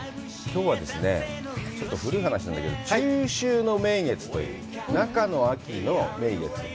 きょうはですね、ちょっと古い話なんだけど、中秋の名月という、中の秋の名月。